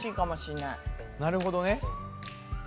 なるほどね。